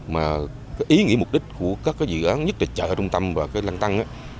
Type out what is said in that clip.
mà ý nghĩa mục đích của các dự án nhất là chợ trung tâm và cái lăng tân